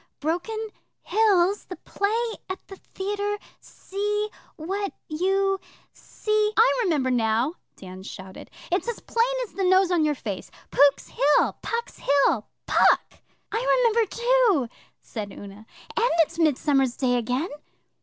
Broken Hills the play at the theatre see what you see ' 'I remember now,' Dan shouted. 'It's as plain as the nose on your face Pook's Hill Puck's Hill Puck!' 'I remember, too,' said Una. 'And it's Midsummer Day again!